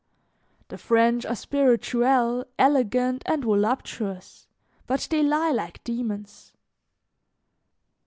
The French are spirituelle, elegant, and voluptuous, but they lie like demons.